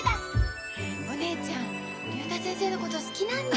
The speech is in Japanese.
お姉ちゃん竜太先生のこと好きなんだ。